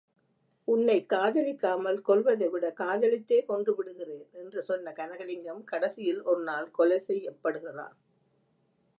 உன்னைக் காதலிக்காமல் கொல்வதைவிட காதலித்தே கொன்றுவிடுகிறேன்! என்று சொன்ன கனகலிங்கம், கடைசியில் ஒரு நாள் கொலை செய்யப்படுகிறான்.